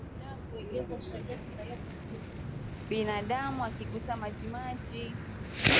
Binadamu akigusa majimaji kutoka kwa mnyama mwenye maambukizi hupata homa ya bonde la ufa